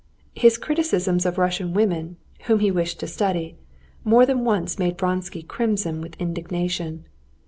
His criticisms of Russian women, whom he wished to study, more than once made Vronsky crimson with indignation.